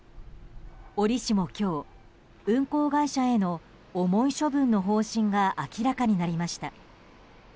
おりしも今日、運航会社への重い処分の方針が明らかになりました。